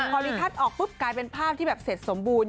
พอลิทัศน์ออกปุ๊บกลายเป็นภาพที่แบบเสร็จสมบูรณ